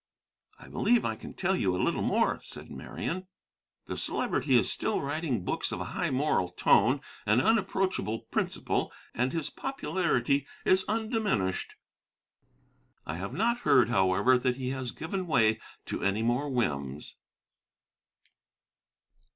"I believe I can tell you a little more," said Marian. ...................... The Celebrity is still writing books of a high moral tone and unapproachable principle, and his popularity is undiminished. I have not heard, however, that he has given way to any more whims.